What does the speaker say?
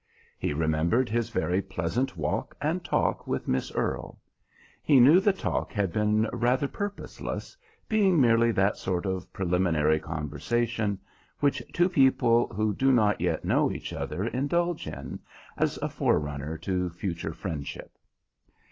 He remembered his very pleasant walk and talk with Miss Earle. He knew the talk had been rather purposeless, being merely that sort of preliminary conversation which two people who do not yet know each other indulge in, as a forerunner to future friendship.